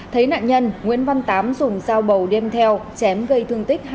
thấy nạn nhân nguyễn văn tám dùng dao bầu đem theo chém gây thương tích hai mươi